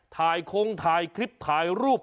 ถ่ายโค้งถ่ายคลิปถ่ายรูป